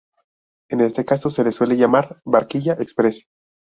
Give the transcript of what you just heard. En este caso se le suele llamar "barquilla express".